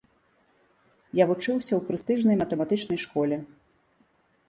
Я вучыўся ў прэстыжнай матэматычнай школе.